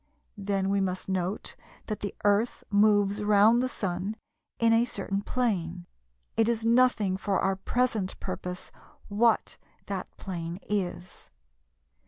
Then we must note that the Earth moves round the Sun in a certain plane (it is nothing for our present purpose what that plane is).